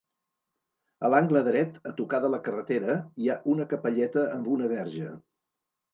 A l'angle dret, a tocar de la carretera, hi ha una capelleta amb una Verge.